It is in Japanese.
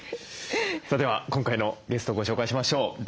さあでは今回のゲストをご紹介しましょう。